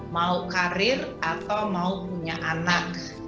mau karir atau mau punya anak